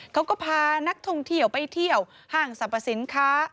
เขาก็พานักท่องเที่ยวไปเที่ยวห้างสรรพสินค้า